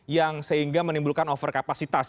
yang sehingga menimbulkan alfor kapasitas